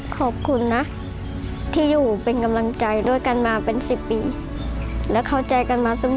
ขอบคุณนะที่อยู่เป็นกำลังใจด้วยกันมาเป็นสิบปีและเข้าใจกันมาเสมอ